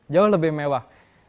jauh lebih mewah